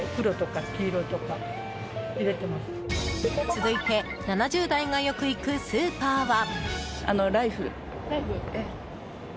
続いて、７０代がよく行くスーパーは。